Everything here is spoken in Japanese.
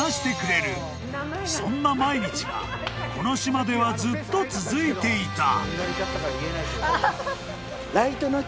［そんな毎日がこの島ではずっと続いていた］